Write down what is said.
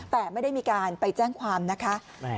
แต่ไม่ได้มีการไปแจ้งความนะคะ